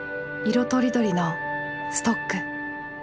色とりどりのストック。